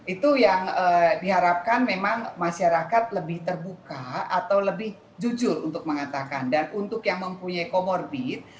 itu yang diharapkan memang masyarakat lebih terbuka atau lebih jujur untuk mengatakan dan untuk yang mempunyai comorbid